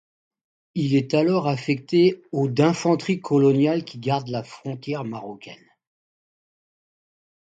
Il est alors affecté au d’infanterie coloniale qui garde la frontière marocaine.